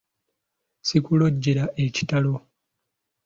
Sikulojjera ekitalo!